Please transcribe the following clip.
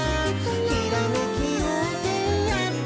「ひらめきようせいやってくる」